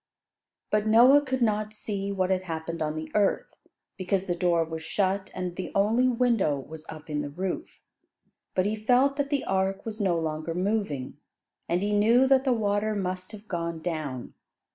But Noah could not see what had happened on the earth, because the door was shut, and the only window was up in the roof. But he felt that the ark was no longer moving, and he knew that the water must have gone down.